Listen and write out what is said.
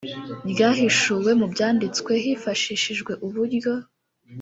ryahishuwe mu byandistwe hifashishijwe uburyo